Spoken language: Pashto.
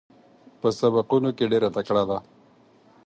په سبقونو کې ډېره تکړه ده.